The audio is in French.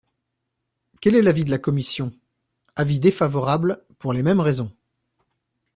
Quel est l’avis de la commission ? Avis défavorable, pour les mêmes raisons.